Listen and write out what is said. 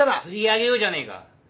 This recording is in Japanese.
釣り上げようじゃねえか。